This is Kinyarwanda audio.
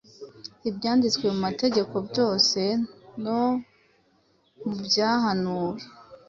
ibyanditwe mu mategeko byose no mu byahanuwe;”